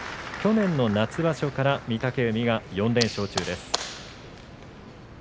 去年の夏場所から御嶽海が４連勝中です。